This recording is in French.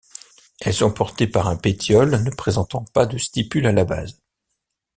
Elles sont portées par un pétiole ne présentant pas de stipule à la base.